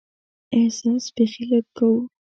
احساس بیخي لږ کوو.